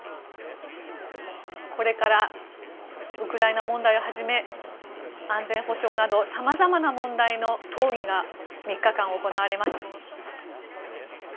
これからウクライナ問題をはじめ安全保障などさまざまな問題の討議が３日間行われます。